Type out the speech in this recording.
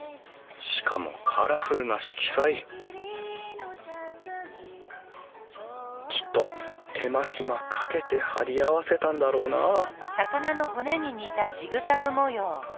しかもカラフルな色彩きっと手間暇かけて貼り合わせたんだろうなうん。